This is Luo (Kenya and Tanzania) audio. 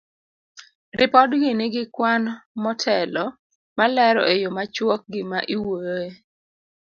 Ripodgi ni gi kwan motelo malero e yo machuok gima iwuoyoe.